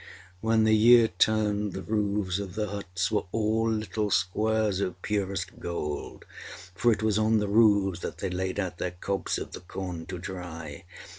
When the year turned, the roofs of the huts were all little squares of purest gold, for it was on the roofs that they laid out their cobs of the corn to dry.